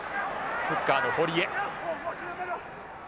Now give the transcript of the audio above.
フッカーの堀江。